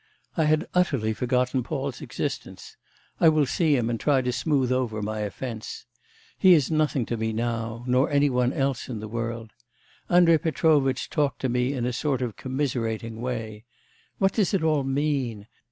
I had utterly forgotten Paul's existence. I will see him, and try to smooth over my offence. He is nothing to me now... nor any one else in the world. Andrei Petrovitch talked to me in a sort of commiserating way. What does it all mean?